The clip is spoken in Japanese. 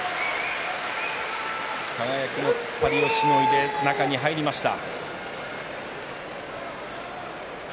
輝の突っ張りをしのいで中に入りました。